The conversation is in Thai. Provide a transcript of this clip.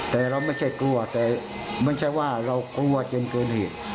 แต่เราไม่ใช่กลัวแต่ไม่ใช่ว่าเรากลัวจนเกินเหตุ